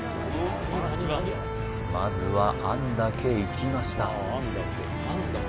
まずは餡だけいきました